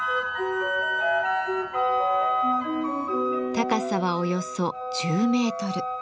高さはおよそ１０メートル。